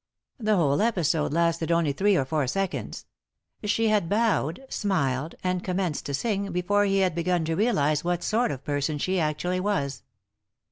The whole episode lasted only three or four seconds. She bad bowed, smiled, and commenced to sing before he bad begun to realise what sort of person she actually was.